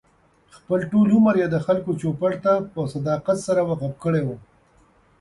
خپل ټول عمر یې د خلکو چوپـړ ته په صداقت سره وقف کړی و.